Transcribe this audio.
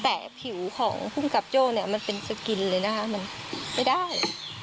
แต่ผิวของภูมิกับโจ้เนี่ยมันเป็นสกินเลยนะคะมันไม่ได้